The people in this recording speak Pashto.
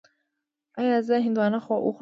ایا زه هندواڼه وخورم؟